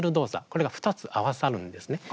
これが２つ合わさるんですね。